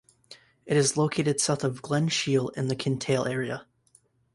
It is located south of Glen Shiel in the Kintail area.